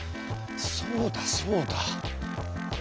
そうだそうだ。